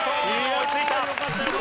追いついた。